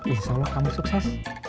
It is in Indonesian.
insya allah kamu sukses